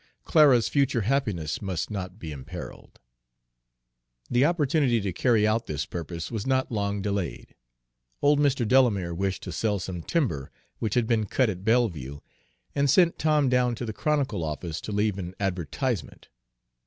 Clara's future happiness must not be imperiled. The opportunity to carry out this purpose was not long delayed. Old Mr. Delamere wished to sell some timber which had been cut at Belleview, and sent Tom down to the Chronicle office to leave an advertisement.